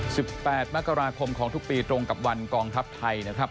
สิบแปดมกราคมของทุกปีตรงกับวันกองทัพไทยนะครับ